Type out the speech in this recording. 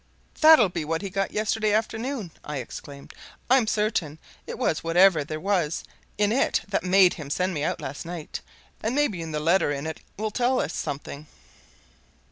"That'll be what he got yesterday afternoon!" I exclaimed. "I'm certain it was whatever there was in it that made him send me out last night, and maybe the letter in it'll tell us something."